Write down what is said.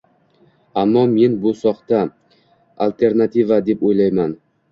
Ammo men bu soxta alternativa deb o‘ylayman